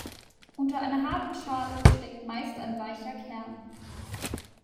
Unter einer harten Schale steckt meist ein weicher Kern.